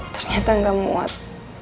ternyata gak muat